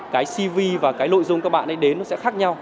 cái cv và cái nội dung các bạn ấy đến nó sẽ khác nhau